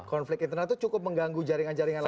konflik internal itu cukup mengganggu jaringan jaringan lain